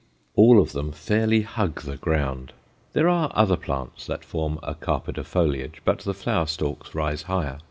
All of them fairly hug the ground. There are other plants that form a carpet of foliage, but the flower stalks rise higher.